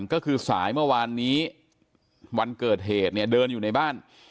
ก็คือสายเมื่อวานนี้วันเกิดเหตุเนี่ยเดินอยู่ในบ้าน